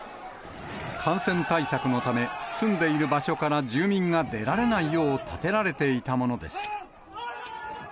感染対策のため、住んでいる場所から住民が出られないよう立てられていたものです。